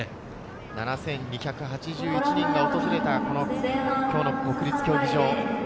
７２８１人が訪れた今日の国立競技場。